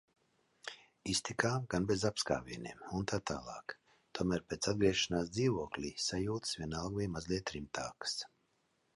Iztikām gan bez apskāvieniem utt., tomēr pēc atgriešanās dzīvoklī sajūtas vienalga bija mazliet rimtākas.